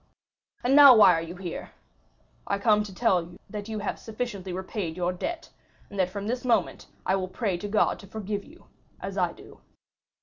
"And now why are you here?" "I come to tell you that you have sufficiently repaid your debt, and that from this moment I will pray to God to forgive you, as I do."